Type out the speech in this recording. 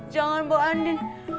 jangan bu andin